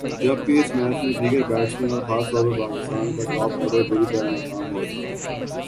جبکہ اس میچ میں دیگر بیٹسمین اور خاص طور پر پاکستان کا ٹاپ آرڈر بری طرح ناکام ہوا تھا